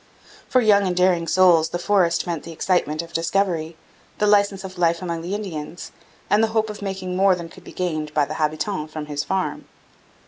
For young and daring souls the forest meant the excitement of discovery, the licence of life among the Indians, and the hope of making more than could be gained by the habitant from his farm.